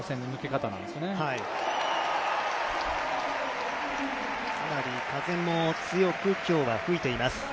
かなり風も強く、今日は吹いています。